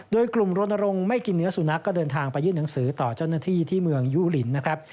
โดยกลุ่มรณรงค์ไม่กินเนื้อสุนัขก็เดินทางไปยื่นหนังสือต่อเจ้าหน้าที่ที่เมืองยุลินนะครับ